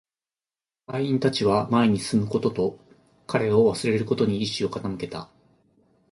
隊員達は前に進むことと、彼を忘れることに意志を傾けた